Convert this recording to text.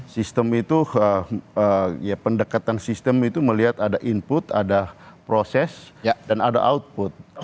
sistem itu ya pendekatan sistem itu melihat ada input ada proses dan ada output